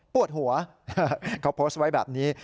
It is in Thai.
ปวดหัวเขาโพสต์ไว้แบบนี้